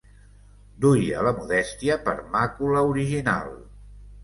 Duia la modèstia per màcula original.